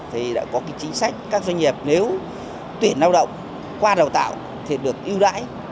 thì đã có chính sách các doanh nghiệp nếu tuyển lao động qua đào tạo thì được yêu đái